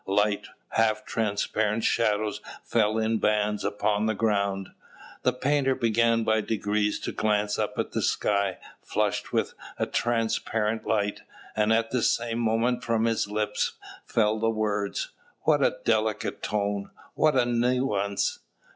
Light, half transparent shadows fell in bands upon the ground. The painter began by degrees to glance up at the sky, flushed with a transparent light; and at the same moment from his mouth fell the words, "What a delicate tone! What a nuisance!